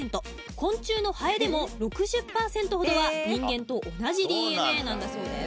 昆虫のハエでも６０パーセントほどは人間と同じＤＮＡなんだそうです。